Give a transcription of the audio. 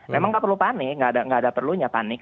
memang tidak perlu panik tidak ada perlunya panik